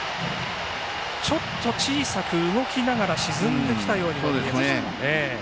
ちょっと小さく動きながら沈んできたように見えました。